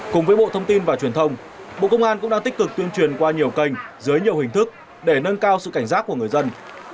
cùng với bộ thông tin và truyền thông bộ công an cũng đang tích cực tuyên truyền qua nhiều kênh dưới nhiều hình thức để nâng cao sự cảnh giác của người dân